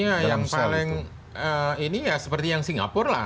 ya yang paling ini seperti yang singapura